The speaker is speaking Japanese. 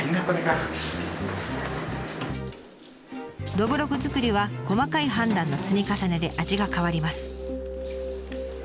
どぶろく造りは細かい判断の積み重ねで味が変わります。